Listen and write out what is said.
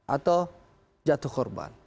atau jatuh korban